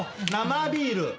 生ビール！